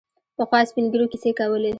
پخوا سپین ږیرو کیسې کولې.